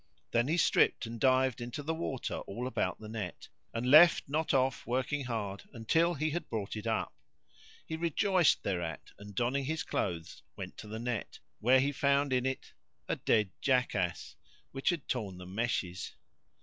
Then he stripped and dived into the water all about the net, and left not off working hard until he had brought it up. He rejoiced thereat and, donning his clothes, went to the net, when he found in it a dead jackass which had torn the meshes.